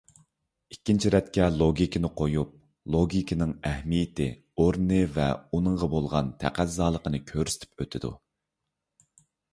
ئىككىنچى رەتكە لوگىكىنى قويۇپ، لوگىكىنىڭ ئەھمىيىتى، ئورنى ۋە ئۇنىڭغا بولغان تەقەززالىقنى كۆرسىتىپ ئۆتىدۇ.